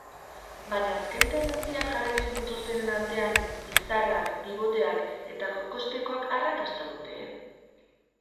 Baina azken tendentziak jarraitzen dituztenen artean bizarrak, biboteak eta kokospekoak arrakasta dute?